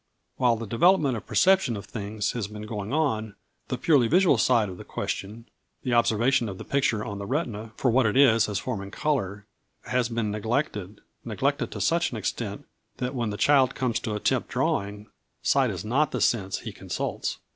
While the development of the perception of things has been going on, the purely visual side of the question, the observation of the picture on the retina for what it is as form and colour, has been neglected neglected to such an extent that when the child comes to attempt drawing, #sight is not the sense he consults#.